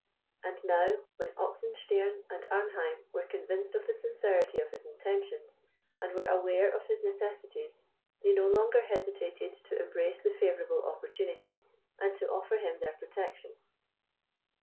And now, when Oxenstiern and Arnheim were convinced of the sincerity of his intentions, and were aware of his necessities, they no longer hesitated to embrace the favourable opportunity, and to offer him their protection.